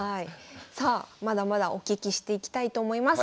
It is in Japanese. さあまだまだお聞きしていきたいと思います。